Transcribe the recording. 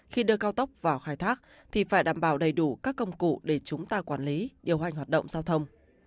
khi đưa cao tốc vào khai thác thì phải đảm bảo đầy đủ các công cụ để chúng ta quản lý điều hành hoạt động giao thông